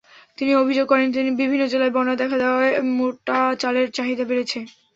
তিনি অভিযোগ করেন, বিভিন্ন জেলায় বন্যা দেখা দেওয়ায় মোটা চালের চাহিদা বেড়েছে।